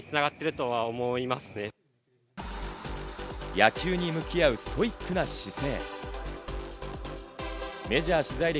野球に向き合うストイックな姿勢。